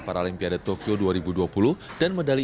paralimpiade tokyo dua ribu dua puluh dan medali